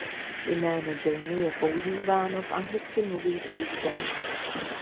Jméno Jamie je používáno v anglicky mluvících zemích.